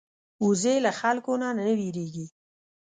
وزې له خلکو نه نه وېرېږي